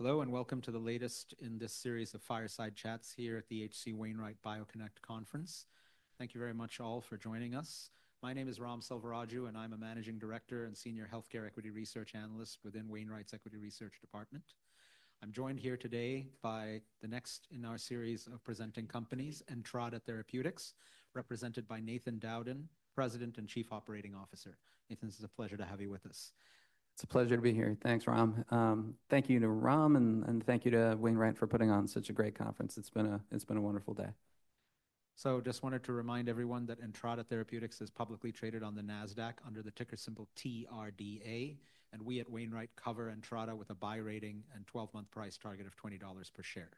Hello and welcome to the latest in this series of fireside chats here at the H.C. Wainwright BioConnect Conference. Thank you very much all for joining us. My name is Ram Selvaraju, and I'm a Managing Director and Senior Healthcare Equity Research Analyst within Wainwright's Equity Research Department. I'm joined here today by the next in our series of presenting companies, Entrada Therapeutics, represented by Nathan Dowden, President and Chief Operating Officer. Nathan, it's a pleasure to have you with us. It's a pleasure to be here. Thanks, Ram. Thank you to Ram, and thank you to Wainwright for putting on such a great conference. It's been a wonderful day. I just wanted to remind everyone that Entrada Therapeutics is publicly traded on the Nasdaq under the ticker symbol TRDA, and we at Wainwright cover Entrada with a buy rating and 12-month price target of $20 per share.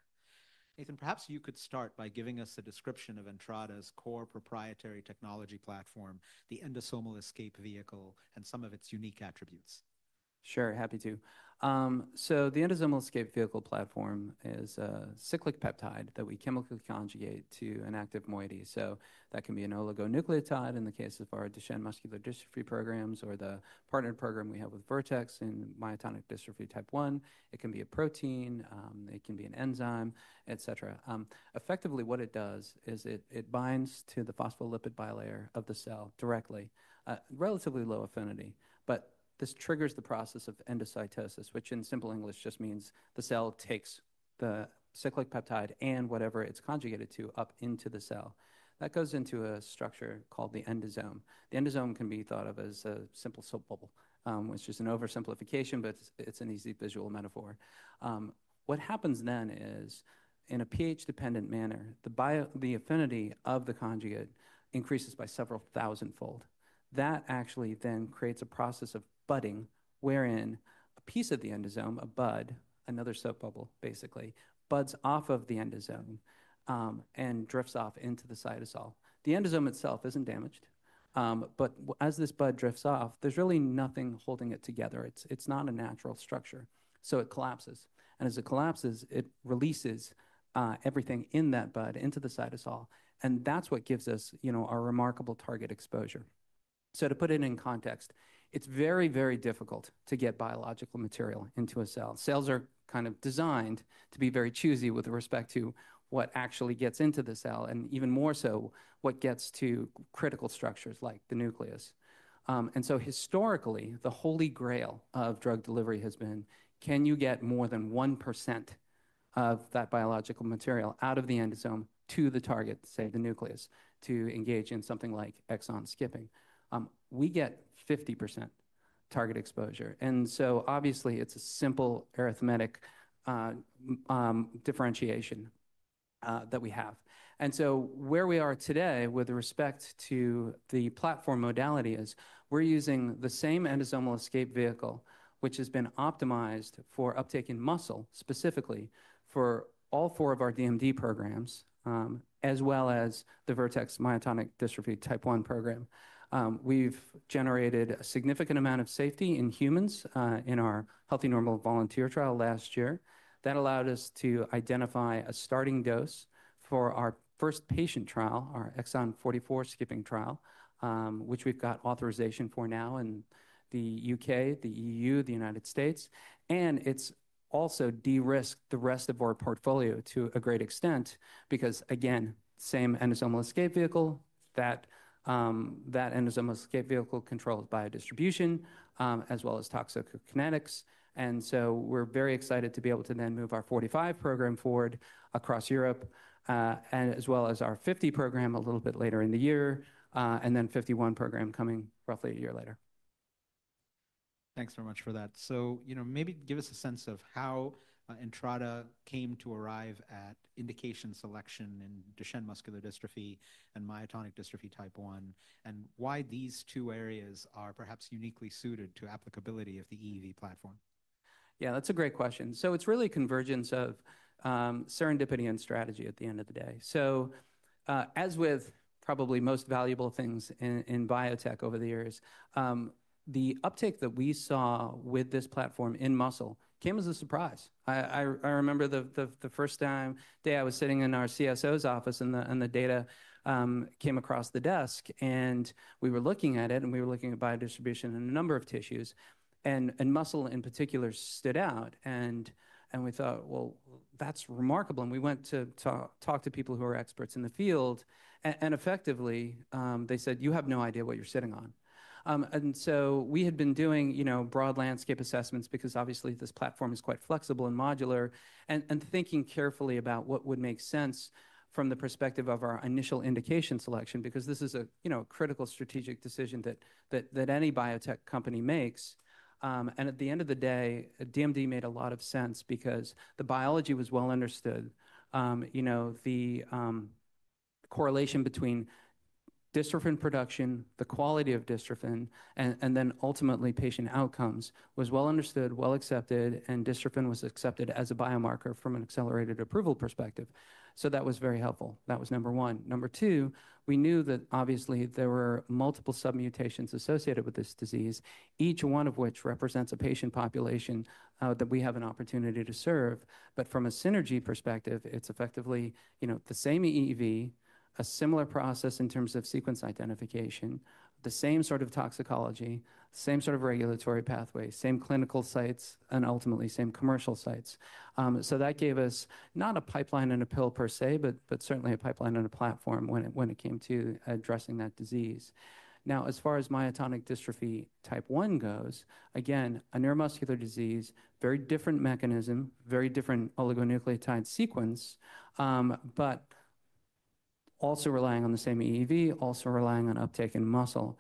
Nathan, perhaps you could start by giving us a description of Entrada's core proprietary technology platform, the endosomal escape vehicle, and some of its unique attributes. Sure, happy to. The endosomal escape vehicle platform is a cyclic peptide that we chemically conjugate to an active moiety. That can be an oligonucleotide in the case of our Duchenne muscular dystrophy programs or the partnered program we have with Vertex in myotonic dystrophy type 1. It can be a protein, it can be an enzyme, etc. Effectively, what it does is it binds to the phospholipid bilayer of the cell directly, relatively low affinity, but this triggers the process of endocytosis, which in simple English just means the cell takes the cyclic peptide and whatever it is conjugated to up into the cell. That goes into a structure called the endosome. The endosome can be thought of as a simple soap bubble, which is an oversimplification, but it is an easy visual metaphor. What happens then is, in a pH-dependent manner, the affinity of the conjugate increases by several thousandfold. That actually then creates a process of budding, wherein a piece of the endosome, a bud, another soap bubble basically, buds off of the endosome and drifts off into the cytosol. The endosome itself isn't damaged, but as this bud drifts off, there's really nothing holding it together. It's not a natural structure. It collapses. As it collapses, it releases everything in that bud into the cytosol. That's what gives us our remarkable target exposure. To put it in context, it's very, very difficult to get biological material into a cell. Cells are kind of designed to be very choosy with respect to what actually gets into the cell and even more so what gets to critical structures like the nucleus. Historically, the holy grail of drug delivery has been, can you get more than 1% of that biological material out of the endosome to the target, say the nucleus, to engage in something like exon skipping? We get 50% target exposure. Obviously, it's a simple arithmetic differentiation that we have. Where we are today with respect to the platform modality is we're using the same endosomal escape vehicle, which has been optimized for uptake in muscle specifically for all four of our DMD programs, as well as the Vertex myotonic dystrophy type 1 program. We've generated a significant amount of safety in humans in our Healthy Normal Volunteer trial last year. That allowed us to identify a starting dose for our first patient trial, our exon 44 skipping trial, which we've got authorization for now in the U.K., the European Union, the United States. It has also de-risked the rest of our portfolio to a great extent because, again, same endosomal escape vehicle, that endosomal escape vehicle controlled by distribution as well as toxicokinetics. We are very excited to be able to then move our 45 program forward across Europe, as well as our 50 program a little bit later in the year, and then 51 program coming roughly a year later. Thanks very much for that. Maybe give us a sense of how Entrada came to arrive at indication selection in Duchenne muscular dystrophy and myotonic dystrophy type 1, and why these two areas are perhaps uniquely suited to applicability of the EEV platform? Yeah, that's a great question. It's really a convergence of serendipity and strategy at the end of the day. As with probably most valuable things in biotech over the years, the uptake that we saw with this platform in muscle came as a surprise. I remember the first day I was sitting in our CSO's office and the data came across the desk, and we were looking at it, and we were looking at biodistribution in a number of tissues. Muscle in particular stood out, and we thought, that's remarkable. We went to talk to people who are experts in the field, and effectively they said, you have no idea what you're sitting on. We had been doing broad landscape assessments because obviously this platform is quite flexible and modular, and thinking carefully about what would make sense from the perspective of our initial indication selection, because this is a critical strategic decision that any biotech company makes. At the end of the day, DMD made a lot of sense because the biology was well understood. The correlation between dystrophin production, the quality of dystrophin, and then ultimately patient outcomes was well understood, well accepted, and dystrophin was accepted as a biomarker from an accelerated approval perspective. That was very helpful. That was number one. Number two, we knew that obviously there were multiple sub-mutations associated with this disease, each one of which represents a patient population that we have an opportunity to serve. from a synergy perspective, it's effectively the same EEV, a similar process in terms of sequence identification, the same sort of toxicology, the same sort of regulatory pathway, same clinical sites, and ultimately same commercial sites. That gave us not a pipeline in a pill per se, but certainly a pipeline and a platform when it came to addressing that disease. Now, as far as myotonic dystrophy type 1 goes, again, a neuromuscular disease, very different mechanism, very different oligonucleotide sequence, but also relying on the same EEV, also relying on uptake in muscle.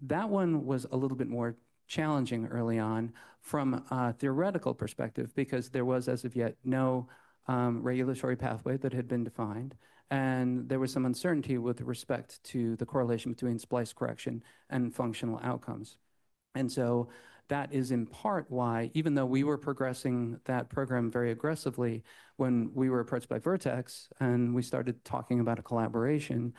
That one was a little bit more challenging early on from a theoretical perspective because there was, as of yet, no regulatory pathway that had been defined, and there was some uncertainty with respect to the correlation between splice correction and functional outcomes. That is in part why, even though we were progressing that program very aggressively when we were approached by Vertex and we started talking about a collaboration,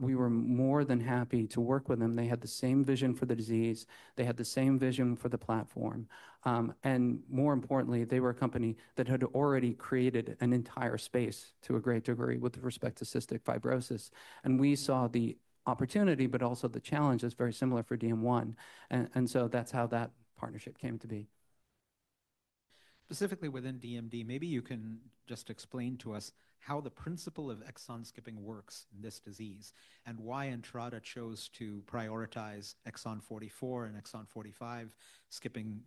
we were more than happy to work with them. They had the same vision for the disease. They had the same vision for the platform. More importantly, they were a company that had already created an entire space to a great degree with respect to cystic fibrosis. We saw the opportunity, but also the challenges very similar for DM1. That is how that partnership came to be. Specifically within DMD, maybe you can just explain to us how the principle of exon skipping works in this disease and why Entrada chose to prioritize exon 44 and exon 45 skipping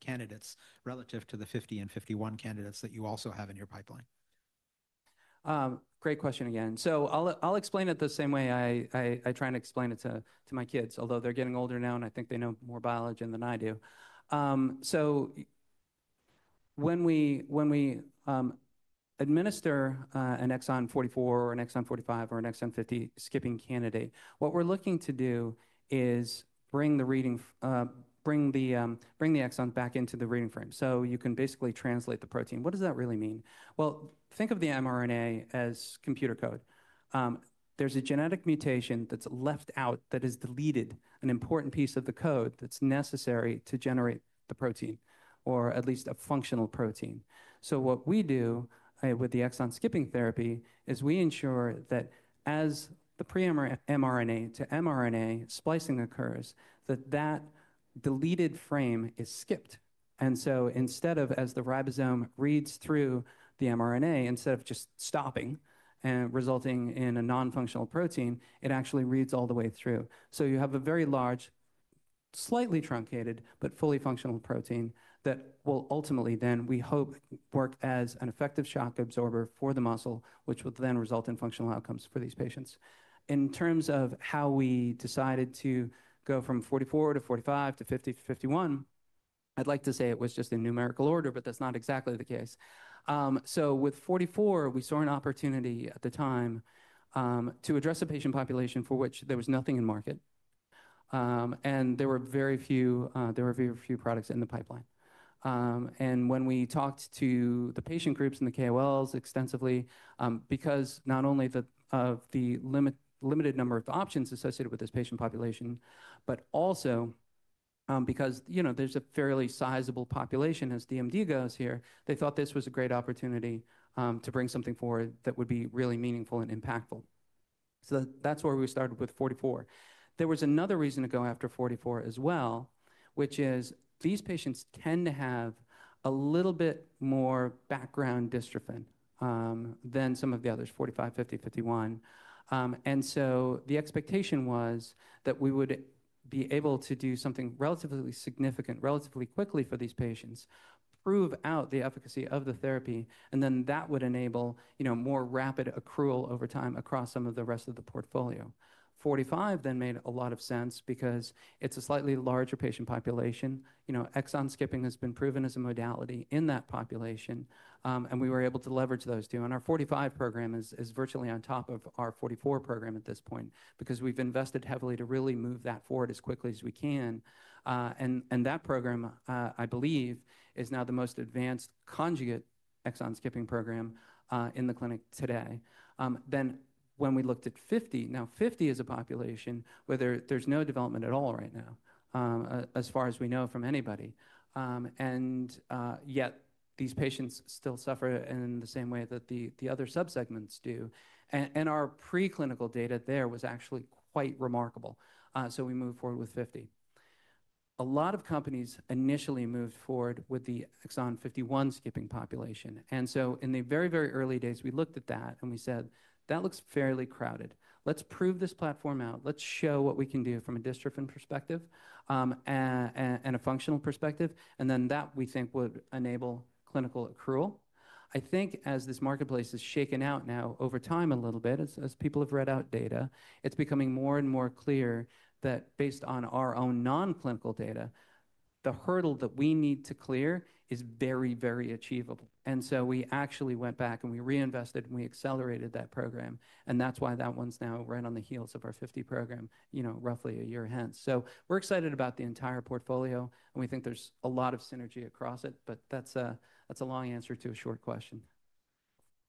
candidates relative to the 50 and 51 candidates that you also have in your pipeline. Great question again. I'll explain it the same way I try and explain it to my kids, although they're getting older now and I think they know more biology than I do. When we administer an exon 44 or an exon 45 or an exon 50 skipping candidate, what we're looking to do is bring the exon back into the reading frame. You can basically translate the protein. What does that really mean? Think of the mRNA as computer code. There's a genetic mutation that's left out, that is deleted, an important piece of the code that's necessary to generate the protein, or at least a functional protein. What we do with the exon skipping therapy is we ensure that as the pre-mRNA to mRNA splicing occurs, that that deleted frame is skipped. Instead of as the ribosome reads through the mRNA, instead of just stopping and resulting in a non-functional protein, it actually reads all the way through. You have a very large, slightly truncated, but fully functional protein that will ultimately then, we hope, work as an effective shock absorber for the muscle, which will then result in functional outcomes for these patients. In terms of how we decided to go from 44 to 45 to 50 to 51, I'd like to say it was just in numerical order, but that's not exactly the case. With 44, we saw an opportunity at the time to address a patient population for which there was nothing in market, and there were very few products in the pipeline. When we talked to the patient groups and the KOLs extensively, because not only of the limited number of options associated with this patient population, but also because there's a fairly sizable population as DMD goes here, they thought this was a great opportunity to bring something forward that would be really meaningful and impactful. That is where we started with 44. There was another reason to go after 44 as well, which is these patients tend to have a little bit more background dystrophin than some of the others, 45, 50, 51. The expectation was that we would be able to do something relatively significant, relatively quickly for these patients, prove out the efficacy of the therapy, and then that would enable more rapid accrual over time across some of the rest of the portfolio. 45 then made a lot of sense because it's a slightly larger patient population. Exon skipping has been proven as a modality in that population, and we were able to leverage those two. Our 45 program is virtually on top of our forty-four program at this point because we've invested heavily to really move that forward as quickly as we can. That program, I believe, is now the most advanced conjugate exon skipping program in the clinic today. When we looked at 50, 50 is a population where there's no development at all right now, as far as we know from anybody. Yet these patients still suffer in the same way that the other subsegments do. Our preclinical data there was actually quite remarkable. We moved forward with 50. A lot of companies initially moved forward with the exon 51 skipping population. In the very, very early days, we looked at that and we said, that looks fairly crowded. Let's prove this platform out. Let's show what we can do from a dystrophin perspective and a functional perspective. That, we think, would enable clinical accrual. I think as this marketplace has shaken out now over time a little bit, as people have read out data, it is becoming more and more clear that based on our own non-clinical data, the hurdle that we need to clear is very, very achievable. We actually went back and we reinvested and we accelerated that program. That is why that one is now right on the heels of our 50 program, roughly a year hence. We are excited about the entire portfolio, and we think there is a lot of synergy across it, but that is a long answer to a short question.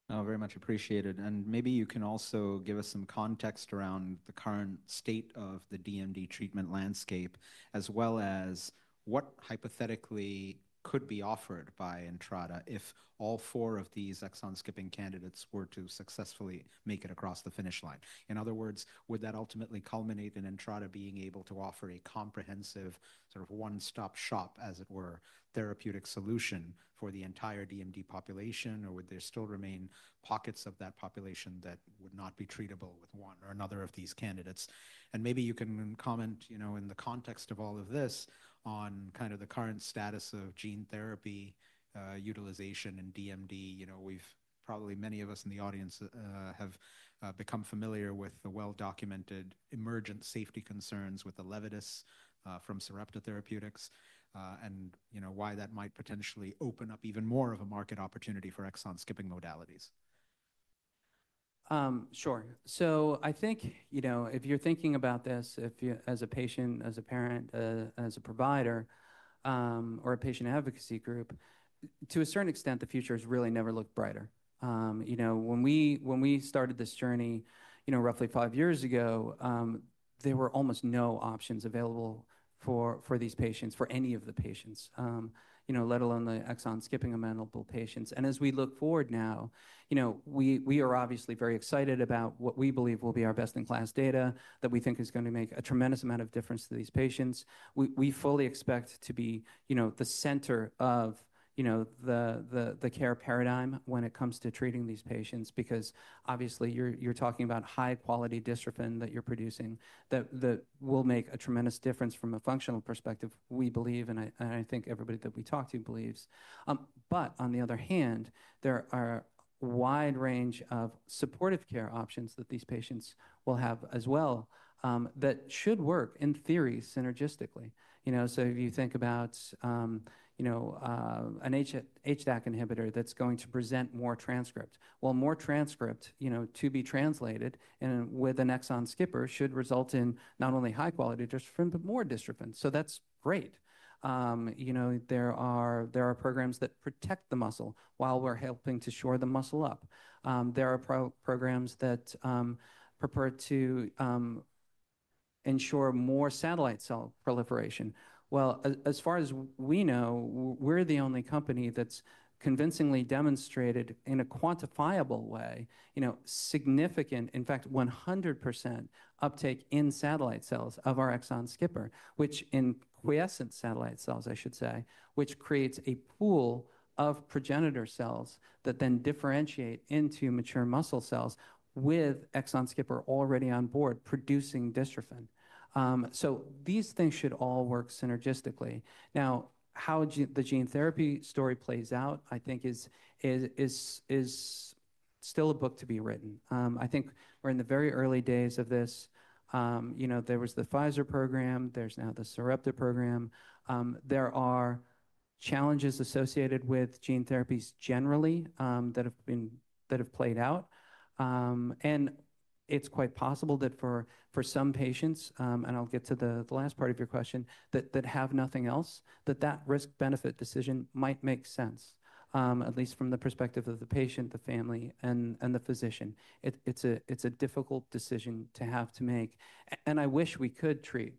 Very much appreciated. Maybe you can also give us some context around the current state of the DMD treatment landscape, as well as what hypothetically could be offered by Entrada if all four of these exon skipping candidates were to successfully make it across the finish line. In other words, would that ultimately culminate in Entrada being able to offer a comprehensive sort of one-stop shop, as it were, therapeutic solution for the entire DMD population, or would there still remain pockets of that population that would not be treatable with one or another of these candidates? Maybe you can comment in the context of all of this on kind of the current status of gene therapy utilization in DMD. We've probably, many of us in the audience have become familiar with the well-documented emergent safety concerns with Elevidys from Sarepta Therapeutics and why that might potentially open up even more of a market opportunity for exon skipping modalities. Sure. I think if you're thinking about this as a patient, as a parent, as a provider, or a patient advocacy group, to a certain extent, the future has really never looked brighter. When we started this journey roughly five years ago, there were almost no options available for these patients, for any of the patients, let alone the exon skipping amenable patients. As we look forward now, we are obviously very excited about what we believe will be our best-in-class data that we think is going to make a tremendous amount of difference to these patients. We fully expect to be the center of the care paradigm when it comes to treating these patients because obviously you're talking about high-quality dystrophin that you're producing that will make a tremendous difference from a functional perspective, we believe, and I think everybody that we talk to believes. On the other hand, there are a wide range of supportive care options that these patients will have as well that should work in theory synergistically. If you think about an HDAC inhibitor that's going to present more transcript, more transcript to be translated with an exon skipper should result in not only high-quality dystrophin, but more dystrophin. That's great. There are programs that protect the muscle while we're helping to shore the muscle up. There are programs that prefer to ensure more satellite cell proliferation. As far as we know, we're the only company that's convincingly demonstrated in a quantifiable way, significant, in fact, 100% uptake in satellite cells of our exon skipper, which in quiescent satellite cells, I should say, creates a pool of progenitor cells that then differentiate into mature muscle cells with exon skipper already on board producing dystrophin. These things should all work synergistically. Now, how the gene therapy story plays out, I think, is still a book to be written. I think we're in the very early days of this. There was the Pfizer program. There's now the Sarepta program. There are challenges associated with gene therapies generally that have played out. It's quite possible that for some patients, and I'll get to the last part of your question, that have nothing else, that that risk-benefit decision might make sense, at least from the perspective of the patient, the family, and the physician. It's a difficult decision to have to make. I wish we could treat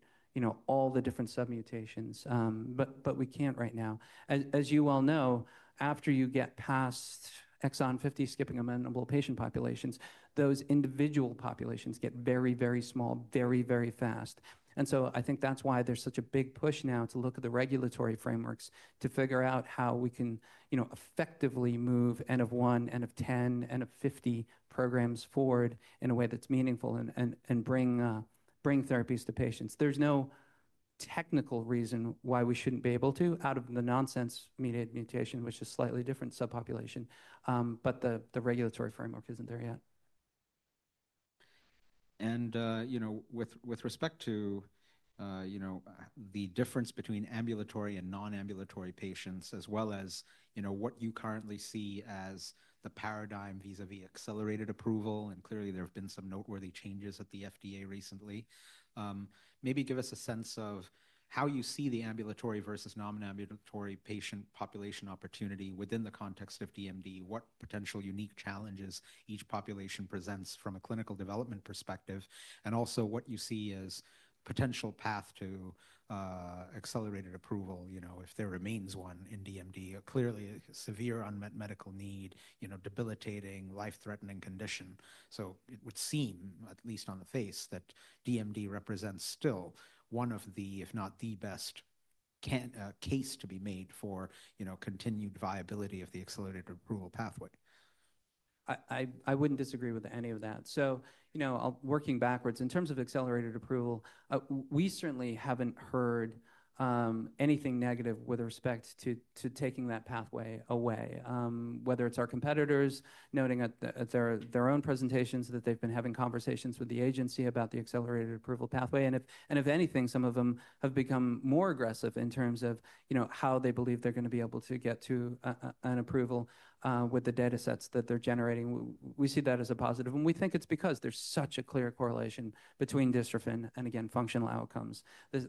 all the different sub-mutations, but we can't right now. As you all know, after you get past exon 50 skipping amenable patient populations, those individual populations get very, very small, very, very fast. I think that's why there's such a big push now to look at the regulatory frameworks to figure out how we can effectively move N of 1, N of 10, N of 50 programs forward in a way that's meaningful and bring therapies to patients. There's no technical reason why we shouldn't be able to out of the nonsense mutation, which is a slightly different subpopulation, but the regulatory framework isn't there yet. With respect to the difference between ambulatory and non-ambulatory patients, as well as what you currently see as the paradigm vis-à-vis accelerated approval, and clearly there have been some noteworthy changes at the FDA recently, maybe give us a sense of how you see the ambulatory versus non-ambulatory patient population opportunity within the context of DMD, what potential unique challenges each population presents from a clinical development perspective. And also what you see as a potential path to accelerated approval if there remains one in DMD, clearly a severe unmet medical need, debilitating, life-threatening condition. It would seem, at least on the face, that DMD represents still one of the, if not the best case to be made for continued viability of the accelerated approval pathway. I wouldn't disagree with any of that. Working backwards, in terms of accelerated approval, we certainly haven't heard anything negative with respect to taking that pathway away, whether it's our competitors noting at their own presentations that they've been having conversations with the agency about the accelerated approval pathway. If anything, some of them have become more aggressive in terms of how they believe they're going to be able to get to an approval with the data sets that they're generating. We see that as a positive. We think it's because there's such a clear correlation between dystrophin and, again, functional outcomes. This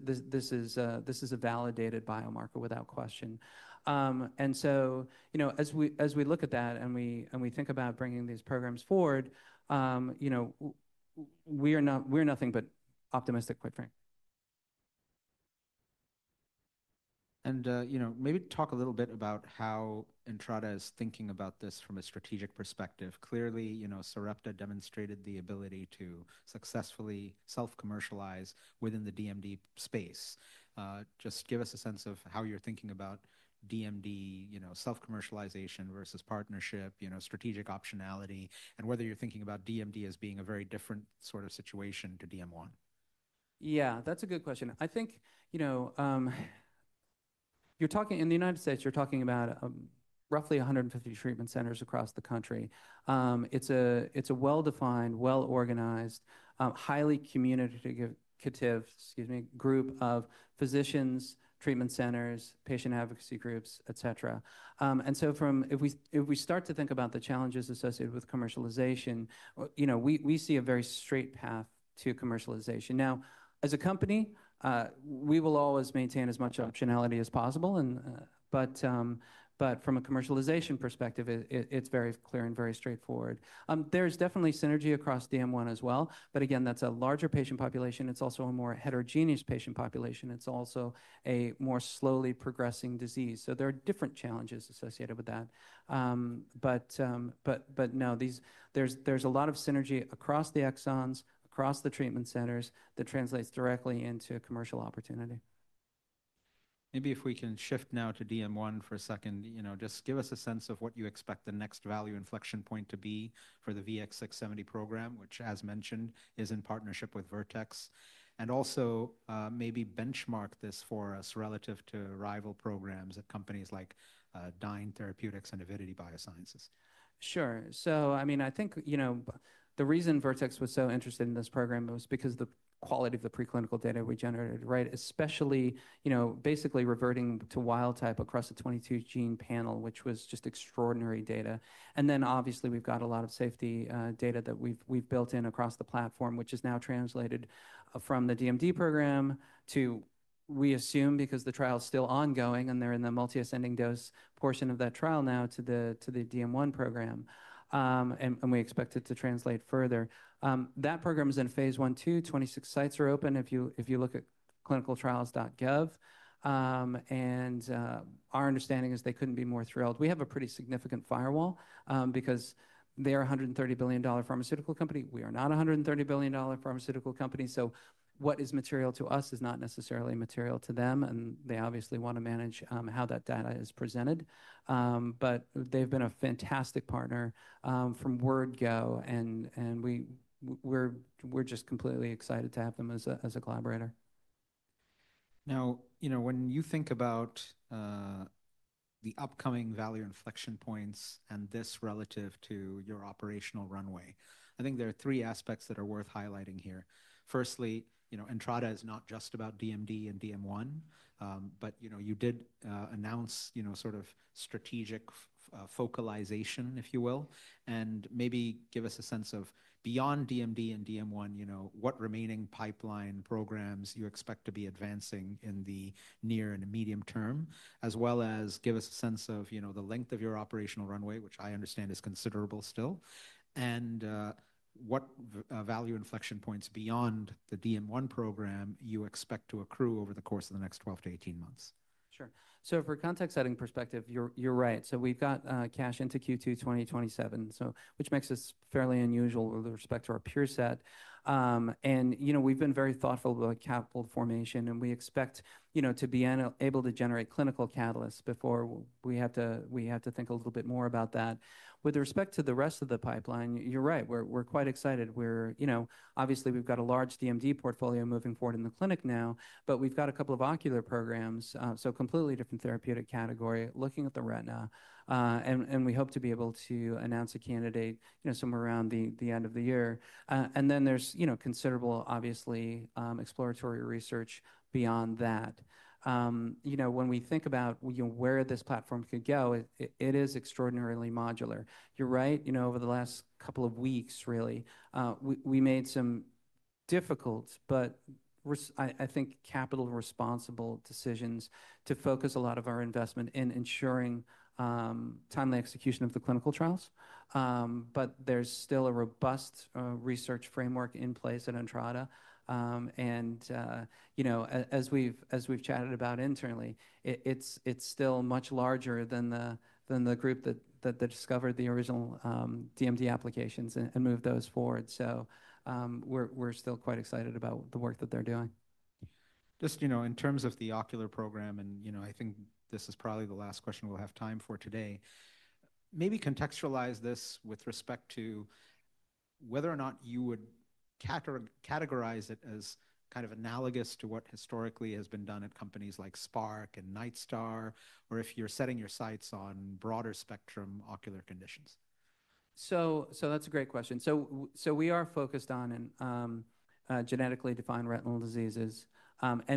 is a validated biomarker without question. As we look at that and we think about bringing these programs forward, we are nothing but optimistic, quite frankly. Maybe talk a little bit about how Entrada is thinking about this from a strategic perspective. Clearly, Sarepta demonstrated the ability to successfully self-commercialize within the DMD space. Just give us a sense of how you're thinking about DMD self-commercialization versus partnership, strategic optionality, and whether you're thinking about DMD as being a very different sort of situation to DM1. Yeah, that's a good question. I think in the United States, you're talking about roughly 150 treatment centers across the country. It's a well-defined, well-organized, highly communicative, excuse me, group of physicians, treatment centers, patient advocacy groups, et cetera. If we start to think about the challenges associated with commercialization, we see a very straight path to commercialization. Now, as a company, we will always maintain as much optionality as possible. From a commercialization perspective, it's very clear and very straightforward. There's definitely synergy across DM1 as well. Again, that's a larger patient population. It's also a more heterogeneous patient population. It's also a more slowly progressing disease. There are different challenges associated with that. No, there's a lot of synergy across the exons, across the treatment centers that translates directly into a commercial opportunity. Maybe if we can shift now to DM1 for a second, just give us a sense of what you expect the next value inflection point to be for the VX-670 program, which, as mentioned, is in partnership with Vertex. Also maybe benchmark this for us relative to rival programs at companies like Dyne Therapeutics and Avidity Biosciences. Sure. I mean, I think the reason Vertex was so interested in this program was because of the quality of the preclinical data we generated, right? Especially basically reverting to wild type across a 22-gene panel, which was just extraordinary data. Obviously, we've got a lot of safety data that we've built in across the platform, which is now translated from the DMD program to, we assume, because the trial is still ongoing and they're in the multi-ascending dose portion of that trial now, to the DM1 program. We expect it to translate further. That program is in phase one two. Twenty-six sites are open if you look at clinicaltrials.gov. Our understanding is they couldn't be more thrilled. We have a pretty significant firewall because they are a $130 billion pharmaceutical company. We are not a $130 billion pharmaceutical company. What is material to us is not necessarily material to them. They obviously want to manage how that data is presented. They have been a fantastic partner from word go. We are just completely excited to have them as a collaborator. Now, when you think about the upcoming value inflection points and this relative to your operational runway, I think there are three aspects that are worth highlighting here. Firstly, Entrada is not just about DMD and DM1, but you did announce sort of strategic focalization, if you will. And maybe give us a sense of beyond DMD and DM1, what remaining pipeline programs you expect to be advancing in the near and medium term, as well as give us a sense of the length of your operational runway, which I understand is considerable still, and what value inflection points beyond the DM1 program you expect to accrue over the course of the next 12 to 18 months. Sure. For a context-setting perspective, you're right. We've got cash into Q2 2027, which makes us fairly unusual with respect to our peer set. We've been very thoughtful about capital formation, and we expect to be able to generate clinical catalysts before we have to think a little bit more about that. With respect to the rest of the pipeline, you're right. We're quite excited. Obviously, we've got a large DMD portfolio moving forward in the clinic now, but we've got a couple of ocular programs, so completely different therapeutic category looking at the retina. We hope to be able to announce a candidate somewhere around the end of the year. Then there's considerable, obviously, exploratory research beyond that. When we think about where this platform could go, it is extraordinarily modular. You're right. Over the last couple of weeks, really, we made some difficult, but I think capital responsible decisions to focus a lot of our investment in ensuring timely execution of the clinical trials. There is still a robust research framework in place at Entrada. As we've chatted about internally, it's still much larger than the group that discovered the original DMD applications and moved those forward. We are still quite excited about the work that they're doing. Just in terms of the ocular program, and I think this is probably the last question we'll have time for today, maybe contextualize this with respect to whether or not you would categorize it as kind of analogous to what historically has been done at companies like Spark and Nightstar, or if you're setting your sights on broader spectrum ocular conditions. That is a great question. We are focused on genetically defined retinal diseases.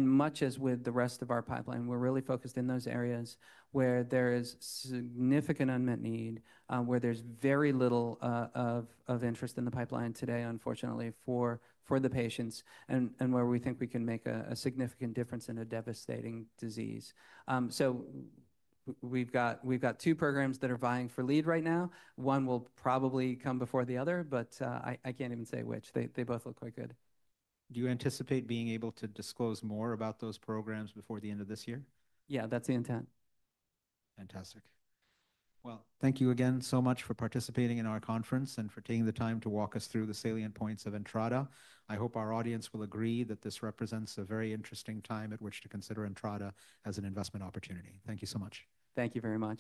Much as with the rest of our pipeline, we are really focused in those areas where there is significant unmet need, where there is very little of interest in the pipeline today, unfortunately, for the patients, and where we think we can make a significant difference in a devastating disease. We have two programs that are vying for lead right now. One will probably come before the other, but I cannot even say which. They both look quite good. Do you anticipate being able to disclose more about those programs before the end of this year? Yeah, that's the intent. Fantastic. Thank you again so much for participating in our conference and for taking the time to walk us through the salient points of Entrada. I hope our audience will agree that this represents a very interesting time at which to consider Entrada as an investment opportunity. Thank you so much. Thank you very much.